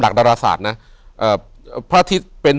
อยู่ที่แม่ศรีวิรัยิลครับ